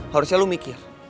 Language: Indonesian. harusnya lo mikir